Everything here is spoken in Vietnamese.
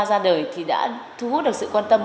ra đời thì đã thu hút được sự quan tâm